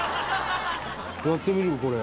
「やってみるこれ」